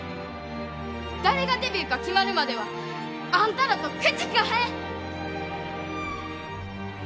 誰がデビューか決まるまではあんたらと口利かへん！